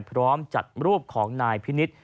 พร้อมจัดรูปของนายพินิษฐ์